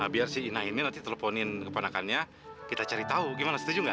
biar si ina ini nanti teleponin keponakannya kita cari tahu gimana setuju nggak